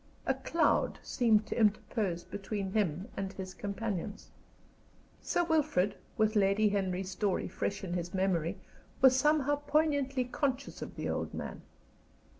A cloud seemed to interpose between him and his companions. Sir Wilfrid, with Lady Henry's story fresh in his memory, was somehow poignantly conscious of the old man.